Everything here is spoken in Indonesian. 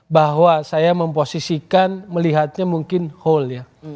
bahwa saya memposisikan melihatnya mungkin whole ya